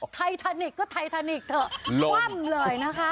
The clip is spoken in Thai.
ไททานิกก็ไททานิกเถอะคว่ำเลยนะคะ